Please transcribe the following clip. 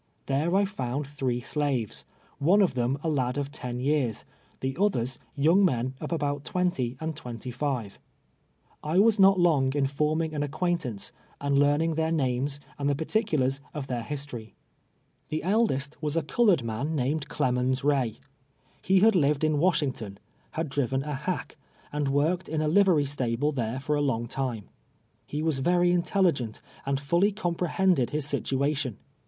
There I f nuul three slaves' — one of them a lad often years, the others younsj men of al)out twenty and twenty live. I was not loni; ju lornuiii; an acquaint ance, and Icarnini^' their names and the particulars of their history. The eldest was a colored man named Clemens Tiay. He had lived in AVashington ; had driven a hack, and worked in a livery stable there f>r a long time. He was very intelligent, and fully comj^rehended his sit uation.